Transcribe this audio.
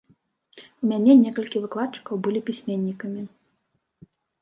У мяне некалькі выкладчыкаў былі пісьменнікамі.